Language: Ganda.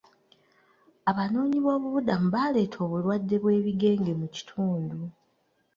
Abanoonyi boobubudamu baaleeta obulwadde bw'ebigenge mu kitundu.